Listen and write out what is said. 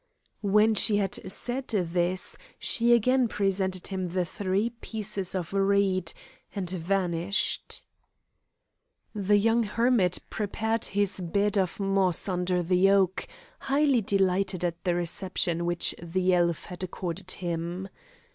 When she had said this she again presented him the three pieces of reed, and vanished. The young hermit prepared his bed of moss under the oak, highly delighted at the reception which the elf had accorded him.